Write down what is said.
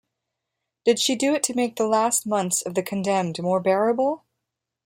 Did she do it to make the last months of the condemned more bearable?